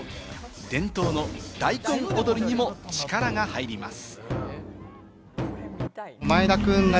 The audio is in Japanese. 伝統の大根踊りにも力が入ります。